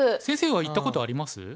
先生は行ったことあります？